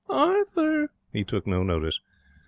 'Arthur!' He took no notice.